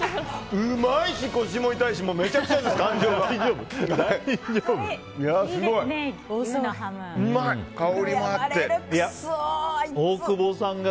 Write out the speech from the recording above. うまいし、腰も痛いしめちゃくちゃです、感情が。